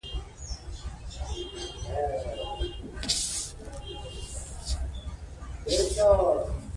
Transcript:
ازادي راډیو د د کار بازار په اړه ښوونیز پروګرامونه خپاره کړي.